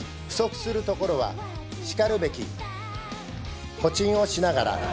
不足するところはしかるべきホチンをしながら。